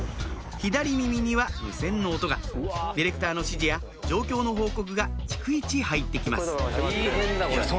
左耳には無線の音がディレクターの指示や状況の報告が逐一入って来ます大変だこれ。